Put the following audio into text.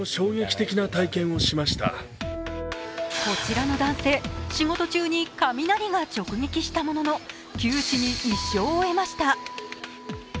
こちらの男性、仕事中に雷が直撃したものの、九死に一生を得ました。